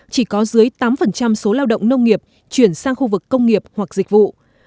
chỉ có dưới tám số lao động nông nghiệp chuyển sang khu vực công nghiệp hoặc dịch vụ